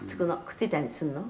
くっついたりするの？」